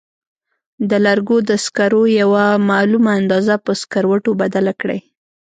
د لرګو د سکرو یوه معلومه اندازه په سکروټو بدله کړئ.